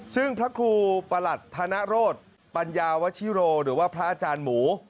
ซึ่งพระครูประหลัดธนโรธปัญญาวชิโรหรือว่าพระอาจารย์หมู